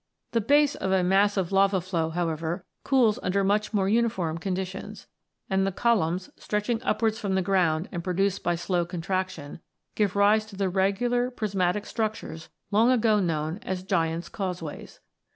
The base of a massive lava flow, however, cools under much more uniform conditions, and the columns, stretching upwards from the ground and produced by slow contraction, give rise to the regular prismatic structures long ago known as " giants' causeways."